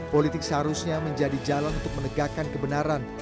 politik seharusnya menjadi jalan untuk menegakkan kebenaran